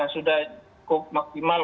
sudah cukup maksimal